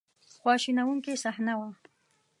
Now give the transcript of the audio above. خواشینونکې صحنه وه.